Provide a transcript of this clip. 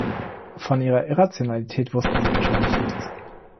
Von ihrer Irrationalität wussten sie wahrscheinlich nichts.